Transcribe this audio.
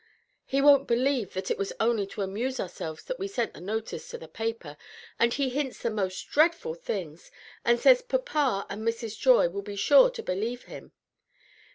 He won't believe that it was only to amuse ourselves that we sent the notice to the paper, and he hints the most dreadful things, and says papa and Mrs. Joy will be sure to believe him!